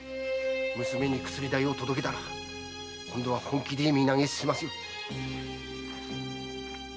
娘に薬代を届けたら今度は本気で身投げしますよ。